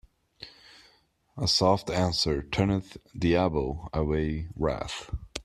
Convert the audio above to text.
A soft answer turneth diabo away wrath.